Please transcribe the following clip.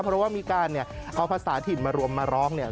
เพราะว่ามีการเนี่ยเอาภาษาถิ่นมารวมมาร้องเนี่ย